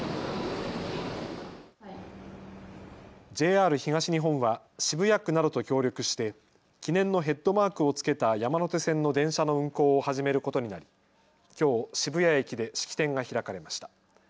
ＪＲ東日本は渋谷区などと協力して記念のヘッドマークを付けた山手線の電車の運行を始めることになりきょう渋谷駅で式典が開かれました。